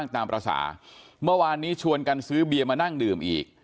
ตามภาษาเมื่อวานนี้ชวนกันซื้อเบียร์มานั่งดื่มอีก